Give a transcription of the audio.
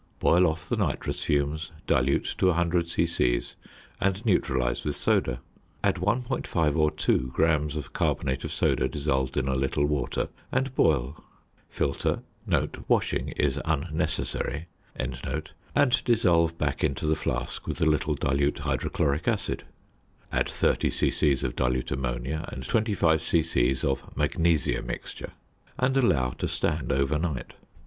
Boil off the nitrous fumes, dilute to 100 c.c. and neutralise with soda; add 1.5 or 2 grams of carbonate of soda dissolved in a little water, and boil. Filter (washing is unnecessary) and dissolve back into the flask with a little dilute hydrochloric acid; add 30 c.c. of dilute ammonia and 25 c.c. of "magnesia mixture," and allow to stand overnight.